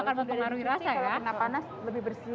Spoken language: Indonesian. kalau kena panas lebih bersih